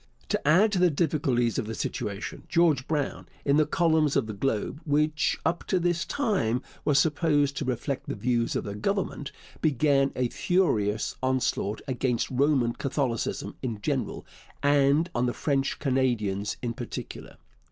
To add to the difficulties of the situation, George Brown, in the columns of the Globe, which up to this time was supposed to reflect the views of the Government, began a furious onslaught against Roman Catholicism in general and on the French Canadians in particular.